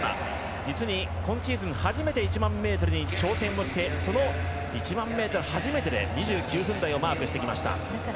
実に今シーズン初めて１００００ｍに挑戦をしてその初めての１００００ｍで２９分台をマークしてきました。